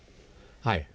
はい。